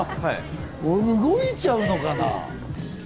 動いちゃうのかな？